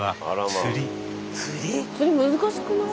釣り難しくない？